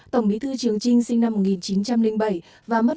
tổng bí thư trường trinh sinh năm một nghìn chín trăm linh bảy và mất